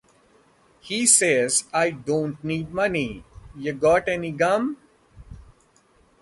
He says I don't need money, ya got any gum?